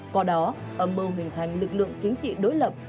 qua đó âm mưu hình thành lực lượng chính trị đối lập